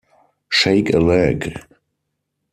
Shake a leg.